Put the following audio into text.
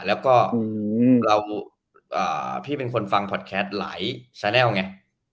แล้วก็พี่เป็นคนฟังพอดแคสต์หลายซาแลลไง